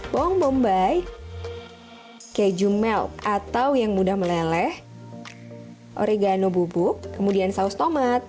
bawang bombay keju melk atau yang mudah meleleh oregano bubuk kemudian saus tomat